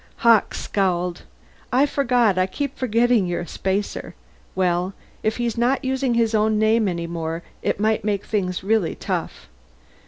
Hawkes scowled. "I forgot I keep forgetting you're a spacer. Well, if he's not using his own name any more it may make things really tough.